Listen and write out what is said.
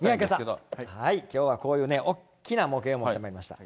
きょうはこういうね、おっきな模型を持ってまいりました。